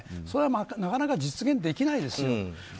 それはなかなか実現できないですよ。